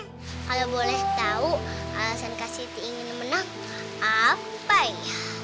kalau boleh tau alasan kak siti ingin menang apa ya